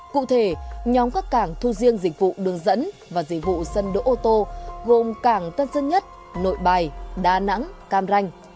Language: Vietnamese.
cụ thể nhóm các cảng thu riêng dịch vụ đường dẫn và dịch vụ sân đỗ ô tô gồm cảng tân sân nhất nội bài đà nẵng cam ranh